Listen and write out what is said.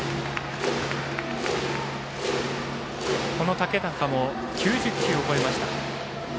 竹中も９０球を超えました。